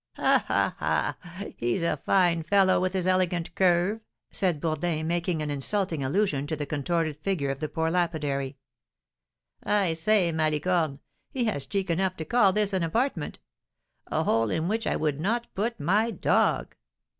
"Ha! ha! He's a fine fellow with his elegant curve," said Bourdin, making an insulting allusion to the contorted figure of the poor lapidary. "I say, Malicorne, he has cheek enough to call this an apartment, a hole in which I would not put my dog."